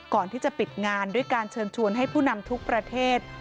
ก่อนที่จะปิดงานด้วยการเชิญชวนให้ผู้นำทุกประเทศ